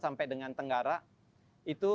sampai dengan tenggara itu